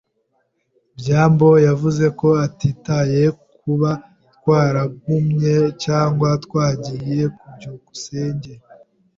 byambo yavuze ko atitaye ku kuba twaragumye cyangwa twagiye. byukusenge